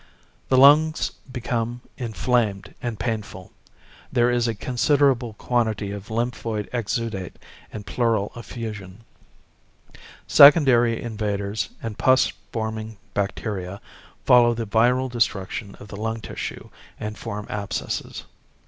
The lungs become inflamed and painful. There is a considerable quantity of lymphoid exudate and pleural effusion. Secondary invaders and pus forming bacteria follow the viral destruction of the lung tissue and form abscesses.